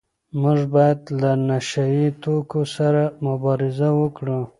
موږ باید له نشه يي توکو سره مبارزه وکړو.